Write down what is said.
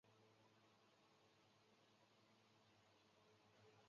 承元元年九条兼实薨。